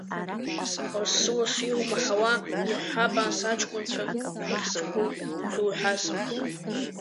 Лассы-лассы иумаҳауа, иаҳҳәап, анҭ аҷкәынцәа ирыхьӡқәоуи, зуҳәаз?